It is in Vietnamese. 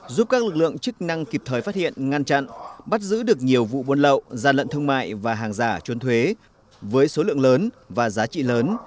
giúp các lực lượng chức năng kịp thời phát hiện ngăn chặn bắt giữ được nhiều vụ buôn lậu gian lận thương mại và hàng giả chuôn thuế với số lượng lớn và giá trị lớn